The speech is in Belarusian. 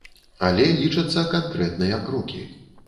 Але лічацца канкрэтныя крокі.